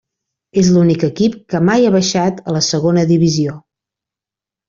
És l'únic equip que mai ha baixat a la segona divisió.